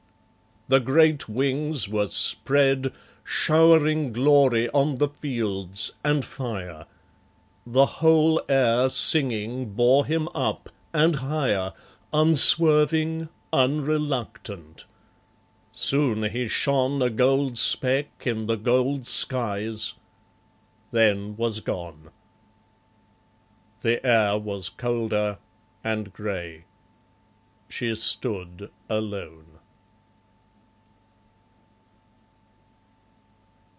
The great wings were spread Showering glory on the fields, and fire. The whole air, singing, bore him up, and higher, Unswerving, unreluctant. Soon he shone A gold speck in the gold skies; then was gone. The air was colder, and grey. She stood alone.